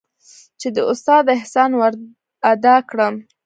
چې د استاد احسان ورادا کړم.